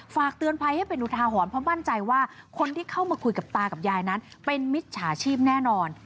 ฝากเตือนภัยให้เป็นอุทาหรณ์เพราะมั่นใจว่าคนที่เข้ามาคุยกับตากับยายนั้นเป็นมิจฉาชีพแน่นอน